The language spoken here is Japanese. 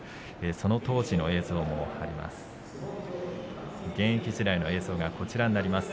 その当時の映像もあります。